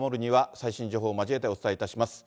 最新情報を交えてお伝えいたします。